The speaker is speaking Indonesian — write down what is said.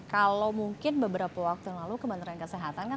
kalau mungkin beberapa waktu yang lalu kementerian kesehatan kan